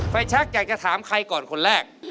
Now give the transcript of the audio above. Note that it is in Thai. ไฟชักจะถามใครก่อนคนแรก